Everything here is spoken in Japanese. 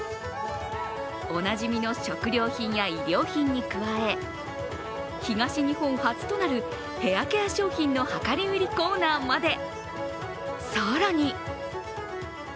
おなじみの食料品や衣料品に加え、東日本初となるヘアケア商品の量り売りコーナーまで。